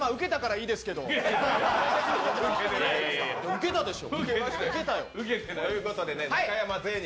ウケたでしょ。